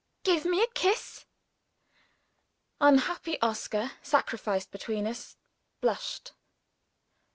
"Give me a kiss!" Unhappy Oscar sacrificed between us blushed.